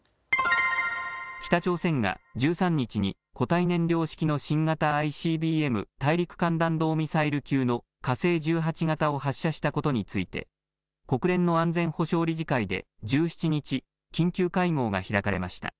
北朝鮮が１３日に固体燃料式の新型ＩＣＢＭ・大陸間弾道ミサイル級の火星１８型を発射したことについて国連の安全保障理事会で１７日、緊急会合が開かれました。